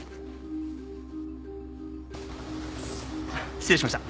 失礼しました。